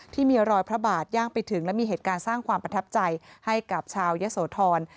ที่มีรอยพระบาทย่างไปถึงและมีเหตุการณ์สร้างความประทับใจให้กับชาวยะโสธร